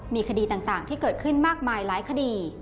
มีคดีต่างที่เกิดขึ้นมากมายหลายคดี